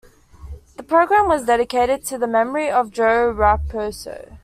The program was dedicated to the memory of Joe Raposo.